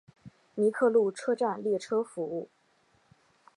尼克路车站列车服务。